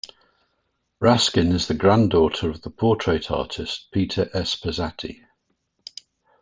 Raskin is the granddaughter of the portrait artist Peter S. Pezzati.